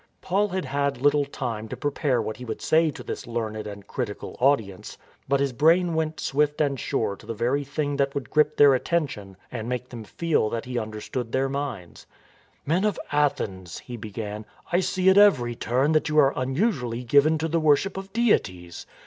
Paul had had little time to prepare what he would say to this learned and critical audience, but his brain went swift and sure to the very thing that would grip their attention and make them feel that he understood their minds. " Men of Athens," he began, " I see at every turn that you are unusually given to the worship of deities.